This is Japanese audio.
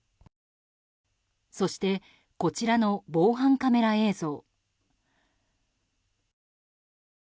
そしてこちらの防犯カメラ映像。